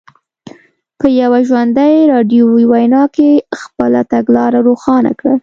په یوه ژوندۍ راډیویي وینا کې خپله تګلاره روښانه کړه.